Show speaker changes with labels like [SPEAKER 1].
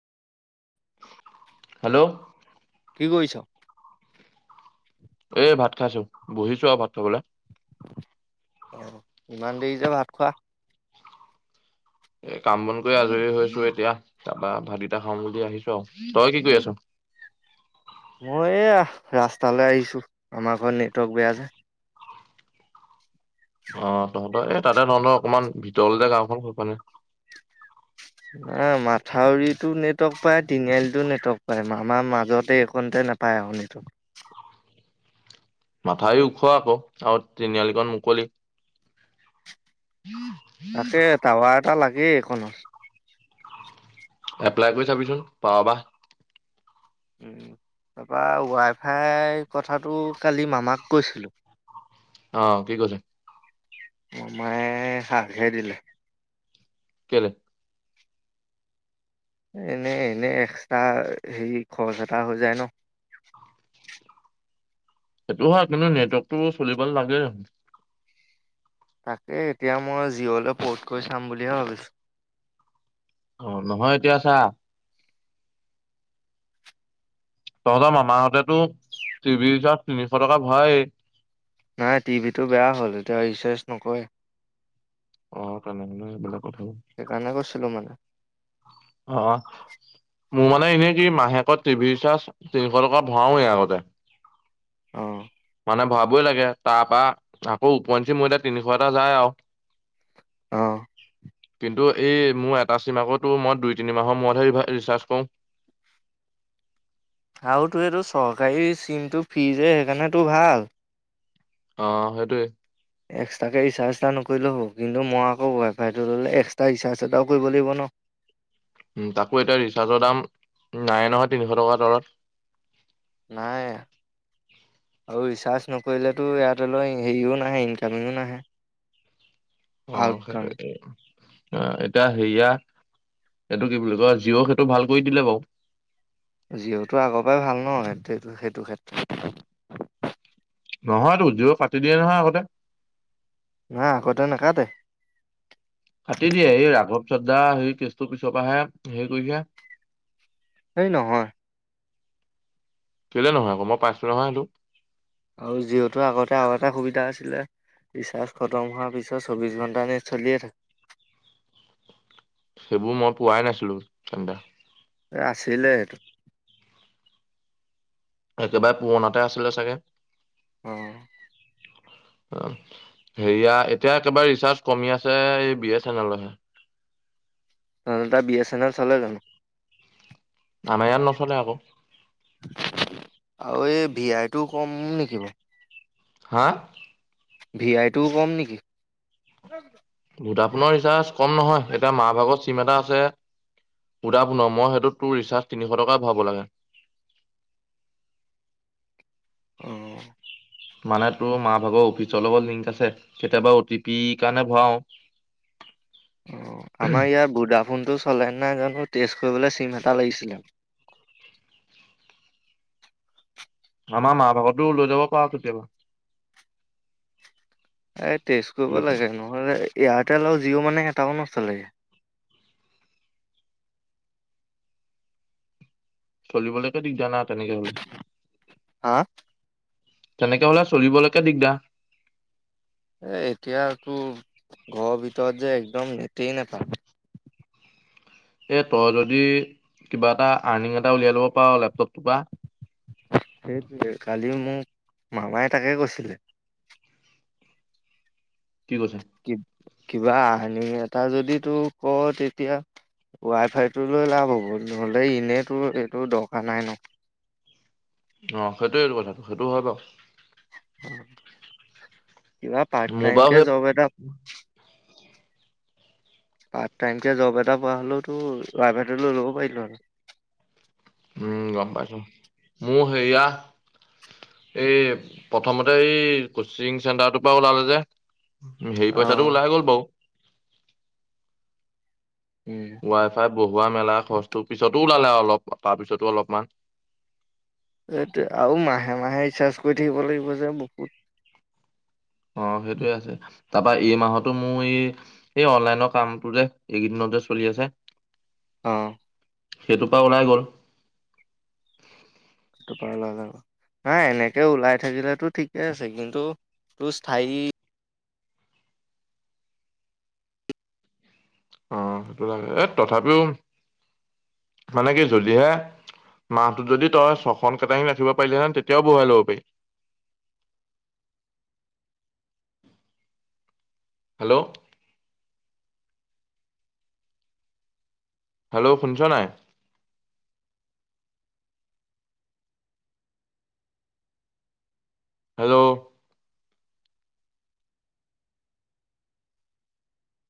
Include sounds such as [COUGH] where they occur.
[SPEAKER 1] Hello,
[SPEAKER 2] কি কৰিছ?
[SPEAKER 1] এই ভাত খাইছো বহিছো আৰু ভাত খাবলে।
[SPEAKER 2] অহ, ইমান দেৰি যে ভাত খোৱা?
[SPEAKER 1] এ কাম বন কৰি আজৰি হৈছো এতিয়া তাৰপা ভাতিটা খাম বুলি আহিছো আৰু তই কি কৰি আছ?
[SPEAKER 2] মই এয়া ৰাস্তালৈ আহিছো আমাৰ ঘৰত নেটৱৰ্ক বেয়া যে।
[SPEAKER 1] অ' তহঁতৰ এই তাতে তহতৰ অকমান ভিতৰ যে গাঁওখন সেইকাৰনে।
[SPEAKER 2] ন মাথাউৰিতো নেটৱৰ্ক পায় তিনিআলিতটো নেটৱৰ্ক পায় মামাৰ মাজতে এই খনটে। নাপায় আপুনিটো।
[SPEAKER 1] মাথাই ওখ আকৌ আৰু তিনিআলিকণ মুকলি।
[SPEAKER 2] তাকে টাৱা এটা লাগেই একনত।
[SPEAKER 1] এপ্লাই কৰি চাবিচোন, পাওবা।
[SPEAKER 2] উম'। তাৰপৰা ৱাই ফাই কথাটো কালি মামাক কৈছিলো।
[SPEAKER 1] অ' কি কৈছে?
[SPEAKER 2] মামায়ে হাকহে দিলে।
[SPEAKER 1] কেলে
[SPEAKER 2] এনেই এনে এক্সৰ্স্তা, হেৰি খৰচ এটা হৈ যায় ন। [UNINTELLIGIBLE]
[SPEAKER 1] সেইটো হয় কিন্তু নেটৱৰ্কতটো চলিব লাগে।
[SPEAKER 2] তাকে এতিয়া মই জিঅলৈ পৰ্ট কৰি চাম বুলিহে ভাবিছো।
[SPEAKER 1] অ' নহয় এতিয়া চা তহঁতৰ মামাহঁতেতো টিভি ৰ তিনিশ টকা ভৰায়েই।
[SPEAKER 2] নাই টিভি টো বেয়া হ'ল এতিয়া ৰিচাৰজ নকৰে।
[SPEAKER 1] অ' তেনে হলে বেলেগ কথাবোৰ।
[SPEAKER 2] সেইকাৰণে কৈছিলো মানে
[SPEAKER 1] অহ, মোৰ মানে এনে কি মাহেকত টিভিৰ ৰিচাৰ্জ তিনিশ টকা ভৰাওৱেই আগতে।
[SPEAKER 2] অহ'।
[SPEAKER 1] মানে ভৰাবই লাগে তাৰ পৰা আকৌ উপঞ্চি ময়দা তিনিশ এটা যায় আৰু।
[SPEAKER 2] অ',
[SPEAKER 1] কিন্তু এই মোৰ এটা চিম আকৌতো মই দুই তিনি মাহৰ মূৰতহে ৰিচাৰ্জ কৰো।
[SPEAKER 2] [INAUDIBLE] আৰু তো এইটো চৰকাৰী চিমটো ফ্ৰী যে সেইকাৰণে তো ভাল।
[SPEAKER 1] অ' সেইটোৱে।
[SPEAKER 2] এক্সট্ৰাকৈ ৰিচাৰ্জ এটা নকৰিলেও হ'ব কিন্তু মই আকৌ ৱাইফাইটো ল'লে এক্সট্ৰা ৰিচাৰ্জ এটাও কৰিব লাগিব ন। [INAUDIBLE]
[SPEAKER 1] উম, তাকো এতিয়া ৰিচাৰ্জৰ দাম নাই নহয় তিনিশ টকাৰ তলত।
[SPEAKER 2] নাই আৰু ৰিচাৰ্জ নকৰিলেতো ইয়াত অলও হেৰিও নাহে ইনকামেইও নাহে।
[SPEAKER 1] অ'
[SPEAKER 2] আউটকাম
[SPEAKER 1] সেইটো অ' এতিয়া হেয়া। সেইটো কি বুলি কয় জিঅ'ক সেইটো ভাল কৰি দিলে বাৰু।
[SPEAKER 2] জিঅ'টো আগৰ পৰাই ভাল ন সেই সেইটো ক্ষেত্ৰত
[SPEAKER 1] নহয়তো, জুইয়ক কাটিবিয়ে নহয় আগতে।
[SPEAKER 2] নাই আগতে নাকাতে।
[SPEAKER 1] কাটি দিয়ে এই ৰাঘৱ চাদদা সেই কেচটো পিছত পৰাহে কৰিছে।
[SPEAKER 2] সেই নহয়।
[SPEAKER 1] কেলে নহয় আকৌ? মই পাইছো নহয় সেইটো।
[SPEAKER 2] আৰু জিঅ'টো আগতে আৰু এটা সুবিধা আছিলে ৰিচাৰ্জ খতম হোৱাৰ পিছত চৌবিশ ঘন্টা নেট চলিয়ে থাকে।
[SPEAKER 1] বো মই পোৱাই নাছিলো তেন্তে।
[SPEAKER 2] এ আছিলে এটো।
[SPEAKER 1] একেবাৰে পুৰণাতে আছিলে চাগে।
[SPEAKER 2] অহ।
[SPEAKER 1] অ' হেৰিয়া এতিয়া একেবাৰে ৰিচাৰ্জ কমি আছে, এই বি এছ এন এলৰহে
[SPEAKER 2] ন তাত বি এছ এন এল চলে জানো?
[SPEAKER 1] আমাৰ ইয়াত নচলে আকৌ।
[SPEAKER 2] আৰু এই ভি আইটো কম নেকি বাও?
[SPEAKER 1] হা?
[SPEAKER 2] ভি আইটোও কম নেকি?
[SPEAKER 1] ভোডাফোনৰ ৰিচাৰ্জ কম নহয় এতিয়া মাৰ ভাগত চিম এটা আছে ভোডাফোনৰ মই সেইটোত তোৰ ৰিচাৰ্জ তিনিশ টকা ভৰাব লাগে।
[SPEAKER 2] অহ',
[SPEAKER 1] মানে তোৰ, মা ভাগৰ অফিচৰ লগত লিংক আছে। কেতিয়াবা অ টি পি কাৰণে ভৰাওঁ।
[SPEAKER 2] অ আমাৰ ইয়াৰ ভোদা ফোনটো চলে নাই জানো, তেস্ত কৰিবলৈ চিম এটা লাগিছিলে।
[SPEAKER 1] আমাৰ মা ভাগৰতো লৈ যাব পা কেতিয়াবা।
[SPEAKER 2] এই তেস্ত কৰিব
[SPEAKER 1] খুলি পেলাই।
[SPEAKER 2] লাগে। নহ'লে এয়াৰটেল আৰু জিঅ' মানে এটাও নচলে।
[SPEAKER 1] চলিবলৈকে দিগদাৰ না তেনেকে হ'লে।
[SPEAKER 2] হা?
[SPEAKER 1] তেনেকে হ'লে চলিবলৈকে দিগদাৰ।
[SPEAKER 2] এ এতিয়াতো ঘৰৰ ভিতৰত যে একদম নেটেই নেপা
[SPEAKER 1] এ তই যদি, কিবা এটা আৰ্নিং এটা উলিয়াই ল'ব পাৰ লেপটপটোৰ পৰা!
[SPEAKER 2] সেইটোৱে। কালি মোক মামাই তাকে কৈছিলে।
[SPEAKER 1] কি কৈছে?
[SPEAKER 2] কি কিবা আনিং এটা যদি তোক প তেতিয়া ৱাই ফাইটো লৈ লাভ হ'ব। নহ'লে এনেইতো এইটোৰ দৰকাৰ নাই ন?
[SPEAKER 1] অ, সেইটোৱেইটো কথাটো সেইটো হয় বাৰু।
[SPEAKER 2] কিবা পাৰ্ট
[SPEAKER 1] মোৰ বাৰু
[SPEAKER 2] টাইমকে
[SPEAKER 1] সেই
[SPEAKER 2] যব এটা পাৰ্ট টাইমকে জব এটা পোৱা হলেওঁতো, প্ৰাইভেটত লৈ ল'ব পাৰিলো হয়।
[SPEAKER 1] উম গম পাইছো। মোৰ হেৰিয়া এই প্ৰথমতে এই, কচিং চেণ্টাৰটোৰ পৰা ওলালো যে সেই পইচাটো
[SPEAKER 2] অ',
[SPEAKER 1] ওলাই গ'ল বাও।
[SPEAKER 2] উম।
[SPEAKER 1] ৱাই ফাই বহুৱা, মেলা খৰচ পিছতো ওলালে অলপ তাৰপিছতো অলপমান
[SPEAKER 2] এইটোৱে আৰু মাহে মাহে ৰিচাৰ্জ কৰি থাকিব লাগিব যে বহুত
[SPEAKER 1] অ সেইটোয়ে আছে। তাৰপা এই মাহতো মোৰ ই এই অনলাইনৰ কামটো যে! এইকেইদিনতে চলি আছে
[SPEAKER 2] অ',
[SPEAKER 1] সেইটোপা ওলাই গ'ল।
[SPEAKER 2] সেইটো পা উলাই গ'ল। নাই এনেকে ওলাই থাকিলেতো ঠিকে আছে। কিন্তু তোৰ স্থায়ী
[SPEAKER 1] অ', সেইটো লাগে। এ তথাপিও মানে কি যদিহে মাহটোত যদি তই ছখন কেটাৰিং ৰাখিব পাৰিলিহয় তেতিয়াও বহুৱাই ল'ব পাৰি। হেল্ল'! হেল্ল' শুনছ নাই? হেল্ল'!